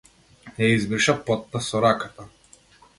Ја избриша потта со раката.